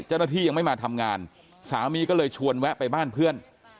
เจ้าหน้าที่ยังไม่มาทำงานสามีก็เลยชวนแวะไปบ้านเพื่อน